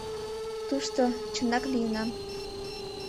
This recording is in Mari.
Тушто, чынак, лийынам